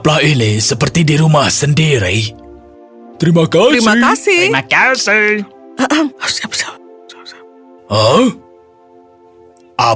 aku tidak pernah mendengarkan nasihatnya